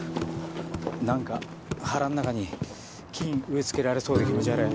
何か腹ん中に菌植え付けられそうで気持ち悪い。